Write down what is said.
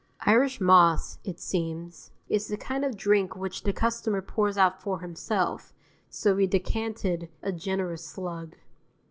Irish Moss, it seems, is the kind of drink which the customer pours out for himself, so we decanted a generous slug.